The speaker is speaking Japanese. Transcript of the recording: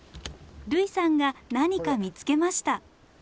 類さんが何か見つけました。